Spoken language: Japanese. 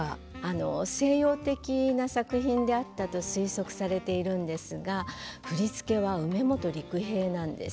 西洋的な作品であったと推測されているんですが振付は楳茂都陸平なんです。